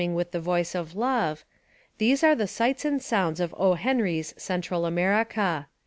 Henry mlng with the voice of love — these are the sights and sounds of O. Henry's Central Amer ica.